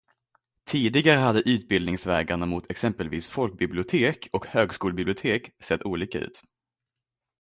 Tidigare hade utbildningsvägarna mot exempelvis folkbibliotek och högskolebibliotek sett olika ut.